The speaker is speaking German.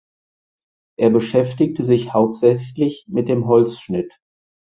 Er beschäftigte sich hauptsächlich mit dem Holzschnitt.